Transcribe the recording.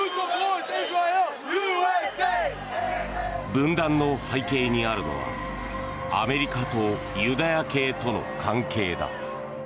分断の背景にあるのはアメリカとユダヤ系との関係だ。